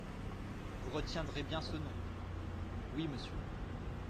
Vous retiendrez bien ce nom ? Oui, monsieur.